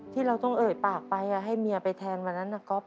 ที่เราต้องเอ่ยปากไปให้เมียไปแทนวันนั้นนะครับ